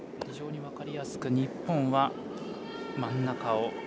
非常に分かりやすく日本は真ん中を。